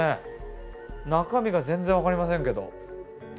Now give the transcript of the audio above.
中身が全然分かりませんけど。